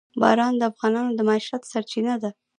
باران د افغانانو د معیشت سرچینه ده.